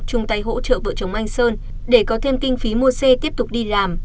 chung tay hỗ trợ vợ chồng anh sơn để có thêm kinh phí mua xe tiếp tục đi làm